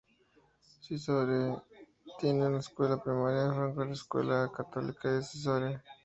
St-Isidore tiene una escuela primaria francófona, la Escuela Católica de St-Isidore.